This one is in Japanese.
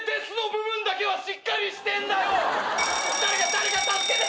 誰か助けて！